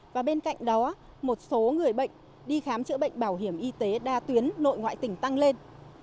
và bên cạnh đó một số người bệnh đi khám chữa bệnh bảo hiểm y tế đa tuyến nội ngoại tỉnh tăng lên